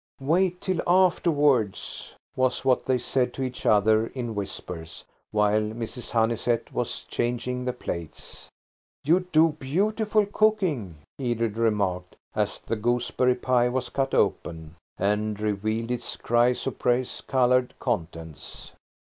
"Wait till afterwards," was what they said to each other in whispers, while Mrs. Honeysett was changing the plates. "You do do beautiful cooking," Edred remarked, as the gooseberry pie was cut open and revealed its chrysoprase coloured contents.